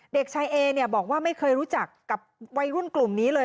เด็กชายเอเนี่ยบอกว่าไม่เคยรู้จักกับวัยรุ่นกลุ่มนี้เลย